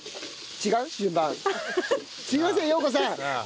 すいません陽子さん。